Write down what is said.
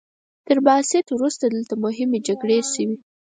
تر بعثت وروسته دلته مهمې جګړې شوي.